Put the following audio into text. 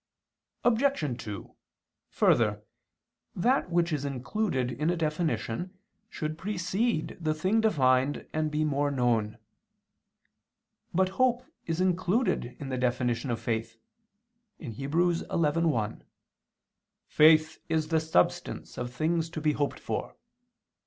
Obj. 2: Further, that which is included in a definition should precede the thing defined and be more known. But hope is included in the definition of faith (Heb. 11:1): "Faith is the substance of things to be hoped for."